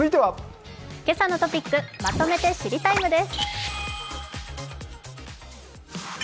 「けさのトピックまとめて知りＴＩＭＥ，」です。